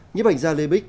nhếp ảnh gia lê bích